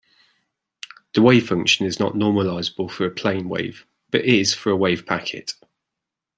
The wavefunction is not normalizable for a plane wave, but is for a wavepacket.